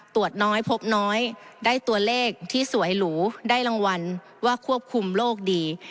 ตรวจน้อยพบน้อยได้ตัวเลขที่สวยหรูได้รางวัลว่าควบคุมโลกดี